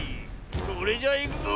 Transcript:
それじゃいくぞ。